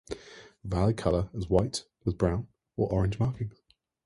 Valid color is white with brown or orange markings.